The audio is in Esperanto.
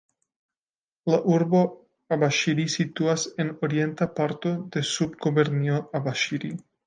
La urbo Abaŝiri situas en orienta parto de Subgubernio Abaŝiri.